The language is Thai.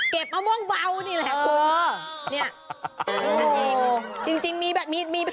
เก็บมะม่วงเบานี่แหละกลัวจริงมีท่านี้ด้วยนะ